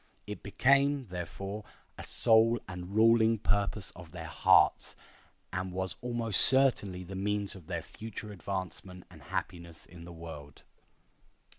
It became, therefore, a sole and ruling purpose of their hearts, and was almost certainly the means of their future advancement and happiness in the world.